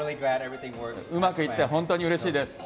うまくいって本当にうれしいです。